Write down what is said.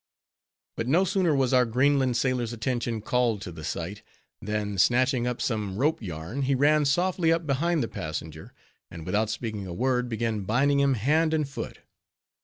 But no sooner was our Greenland sailor's attention called to the sight, than snatching up some rope yarn, he ran softly up behind the passenger, and without speaking a word, began binding him hand and foot.